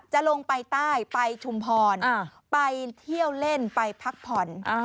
จะลงไปใต้ไปชุมพรไปเที่ยวเล่นไปพักผ่อน